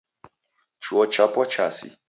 Chuo chapo chasi